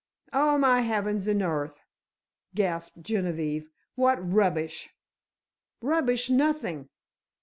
"Oh, my heavens and earth!" gasped Genevieve, "what rubbish!" "Rubbish, nothing!"